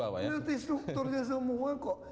ganti strukturnya semua kok